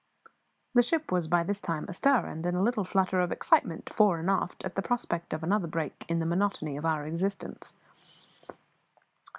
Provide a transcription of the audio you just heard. The ship was by this time astir and in a little flutter of excitement, fore and aft, at the prospect of another break in the monotony of our existence.